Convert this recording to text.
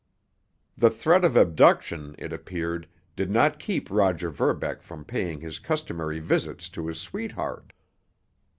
The threat of abduction, it appeared, did not keep Roger Verbeck from paying his customary visits to his sweetheart.